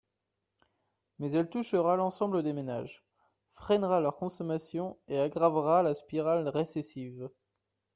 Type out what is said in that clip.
Mais elle touchera l’ensemble des ménages, freinera leur consommation et aggravera la spirale récessive.